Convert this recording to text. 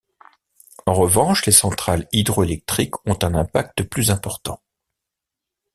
En revanche, les centrales hydroélectriques ont un impact plus important.